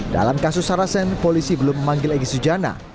dalam kasus sarasen polisi belum memanggil egy sujana